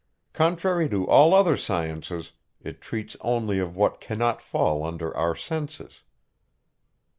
Contrary to all other sciences, it treats only of what cannot fall under our senses.